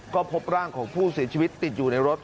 ก็พบร่างของผู้เสียชีวิตติดอยู่ในรถ